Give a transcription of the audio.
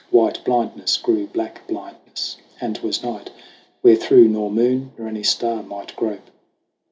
White blindness grew black blindness and 'twas night Wherethrough nor moon nor any star might grope.